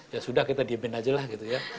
ya sudah kita diemin aja lah gitu ya